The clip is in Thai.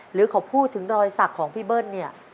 หรือเขาพูดถึงรอยสักของพี่เบิ้ลเนี่ย